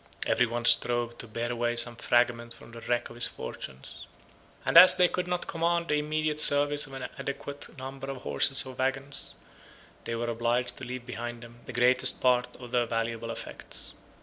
Every one strove to bear away some fragment from the wreck of his fortunes; and as they could not command the immediate service of an adequate number of horses or wagons, they were obliged to leave behind them the greatest part of their valuable effects.